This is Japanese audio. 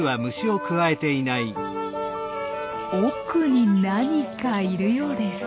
奥に何かいるようです。